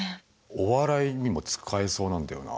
お笑いにも使えそうなんだよな。